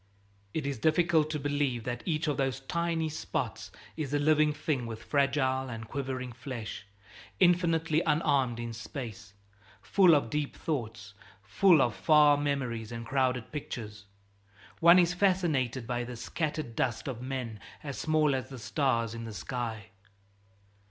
It is difficult to believe that each of those tiny spots is a living thing with fragile and quivering flesh, infinitely unarmed in space, full of deep thoughts, full of far memories and crowded pictures. One is fascinated by this scattered dust of men as small as the stars in the sky.